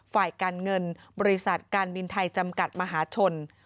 ฝ่ายการเงินบริษัทการบินไทยจำกัดมหาชน